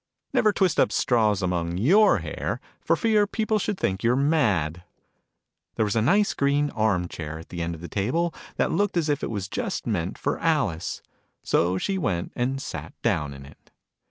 Never twist up straws among your hair, for fear people should think you're mad ! There was a nice green arm chair at the end of the table, that looked as if it was just meant for Alice : so she went and sat down in it.